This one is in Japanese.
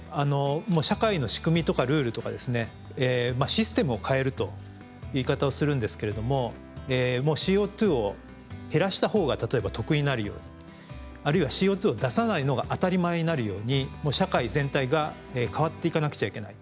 システムを変えるという言い方をするんですけれどもＣＯを減らしたほうが例えば得になるようにあるいはＣＯを出さないのが当たり前になるように社会全体が変わっていかなくちゃいけない。